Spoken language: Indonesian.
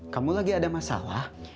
kamu lagi ada masalah